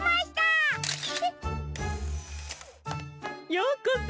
ようこそ。